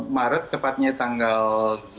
maret tepatnya tanggal delapan belas